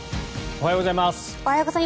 おはようございます。